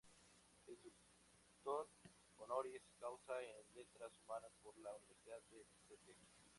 Es doctor honoris causa en Letras Humanas por la Universidad de St.